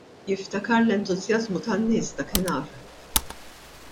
Jiftakar l-entużjażmu tan-nies dakinhar.